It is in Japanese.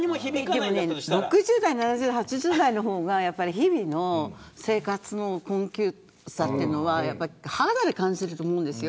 でも６０代から８０代の方が日々の生活の困窮さは肌で感じてると思うんですよ。